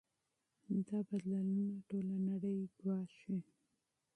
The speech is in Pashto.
دا بدلونونه ټوله نړۍ ګواښي.